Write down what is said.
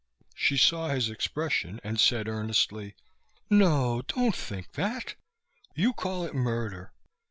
She saw his expression and said earnestly, "No, don't think that! You call it murder.